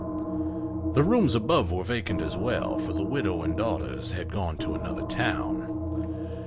The rooms above were vacant as well, for the widow and daughters had gone to another town.